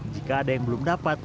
jika ada yang belum dapat